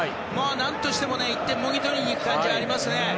何としても１点をもぎ取りに行く感じがありますね。